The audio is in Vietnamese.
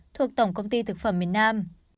thuộc tổng công ty thực phẩm miền nam